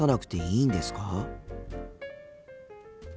いいんです。